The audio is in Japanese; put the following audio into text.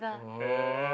へえ。